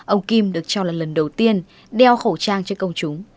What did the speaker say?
ông kim được cho là lần đầu tiên đeo khẩu trang cho công chúng